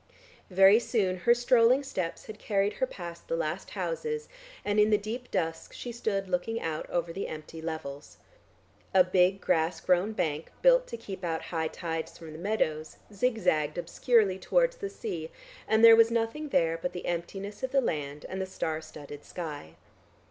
Very soon her strolling steps had carried her past the last houses, and in the deep dusk she stood looking out over the empty levels. A big grass grown bank built to keep out high tides from the meadows zig zagged obscurely towards the sea, and there was nothing there but the emptiness of the land and the star studded sky.